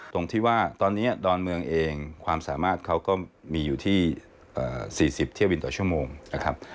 ตรงที่ว่าตอนนี้ดอนเมืองเองความสามารถเขาก็มีอยู่ที่๔๐เที่ยวบินต่อชั่วโมงนะครับ